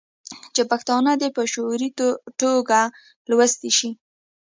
چې پښتانه دې په شعوري ټوګه لوستي شي.